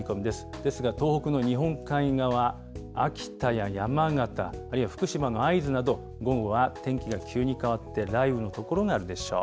ですが、東北の日本海側、秋田や山形、あるいは福島の会津など、午後は天気が急に変わって、雷雨の所があるでしょう。